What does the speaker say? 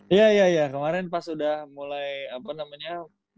iya iya iya kemaren pas udah mulai apa namanya